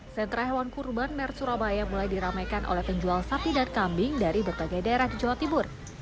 sentra hewan kurban mer surabaya mulai diramaikan oleh penjual sapi dan kambing dari berbagai daerah di jawa timur